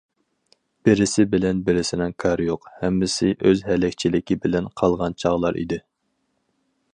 بىرسى بىلەن بىرسىنىڭ كارى يوق، ھەممىسى ئۆز ھەلەكچىلىكى بىلەن قالغان چاغلار ئىدى.